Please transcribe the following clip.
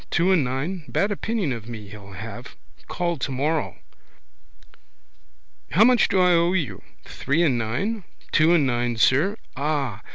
Two and nine. Bad opinion of me he'll have. Call tomorrow. How much do I owe you? Three and nine? Two and nine, sir. Ah.